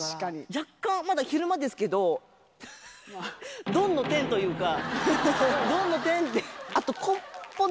若干、まだ昼間ですけど、曇の天というか。